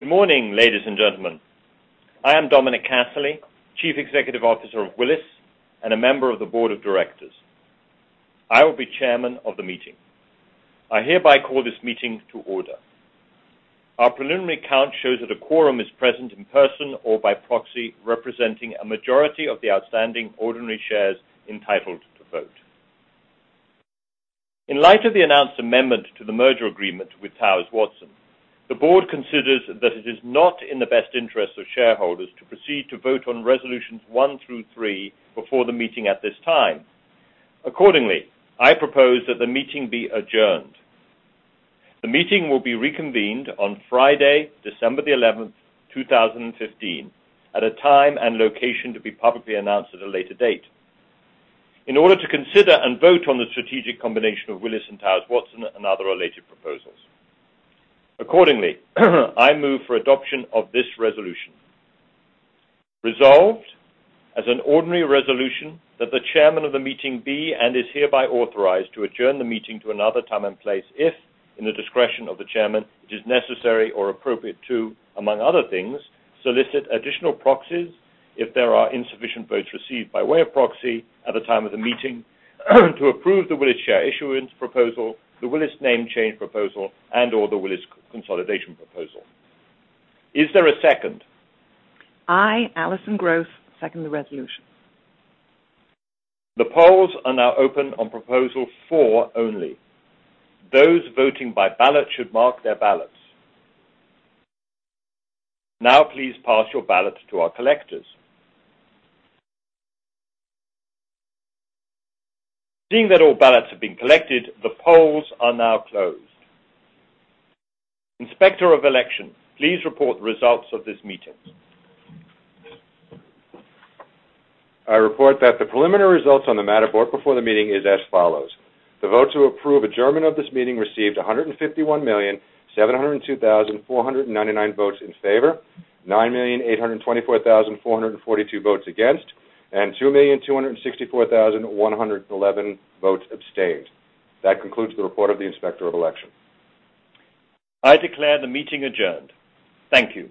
Good morning, ladies and gentlemen. I am Dominic Casserley, Chief Executive Officer of Willis and a member of the board of directors. I will be chairman of the meeting. I hereby call this meeting to order. Our preliminary count shows that a quorum is present in person or by proxy, representing a majority of the outstanding ordinary shares entitled to vote. In light of the announced amendment to the merger agreement with Towers Watson, the board considers that it is not in the best interest of shareholders to proceed to vote on resolutions one through three before the meeting at this time. Accordingly, I propose that the meeting be adjourned. The meeting will be reconvened on Friday, December the 11th, 2015, at a time and location to be publicly announced at a later date. In order to consider and vote on the strategic combination of Willis and Towers Watson and other related proposals. Accordingly, I move for adoption of this resolution. Resolved, as an ordinary resolution that the chairman of the meeting be and is hereby authorized to adjourn the meeting to another time and place if, in the discretion of the chairman, it is necessary or appropriate to, among other things, solicit additional proxies if there are insufficient votes received by way of proxy at the time of the meeting to approve the Willis Share Issuance Proposal, the Willis Name Change Proposal, and or the Willis Consolidation Proposal. Is there a second? I, Alison Groth, second the resolution. The polls are now open on proposal four only. Those voting by ballot should mark their ballots. Now please pass your ballot to our collectors. Seeing that all ballots have been collected, the polls are now closed. Inspector of election, please report the results of this meeting. I report that the preliminary results on the matter brought before the meeting is as follows. The vote to approve adjournment of this meeting received 151,702,499 votes in favor, 9,824,442 votes against, and 2,264,111 votes abstained. That concludes the report of the inspector of election. I declare the meeting adjourned. Thank you.